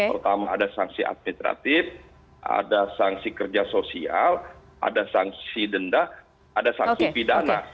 pertama ada sanksi administratif ada sanksi kerja sosial ada sanksi denda ada sanksi pidana